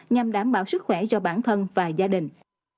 nhằm đảm bảo sức khỏe cho bản thân và gia đình